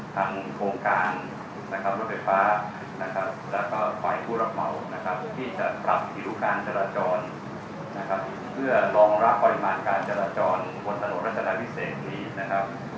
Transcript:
ทั้งโครงการนะครับรถไฟฟ้านะครับแล้วก็ฝ่ายผู้รับเหมานะครับ